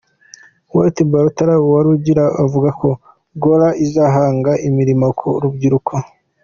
Walter Bandora Uwarugira avuga ko ‘Goora’ izahanga imirimo ku rubyiruko ,….